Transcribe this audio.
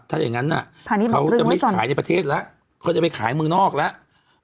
ถ้าอย่างนั้นเขาจะไม่ขายในประเทศแล้วเขาจะไปขายเมืองนอกแล้ว